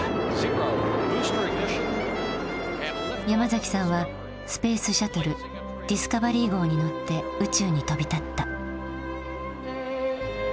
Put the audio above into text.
山崎さんはスペースシャトル「ディスカバリー号」に乗って宇宙に飛び立った。